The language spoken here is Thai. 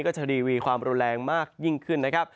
ก็จะดีวีความแรงมากยิ่งขึ้น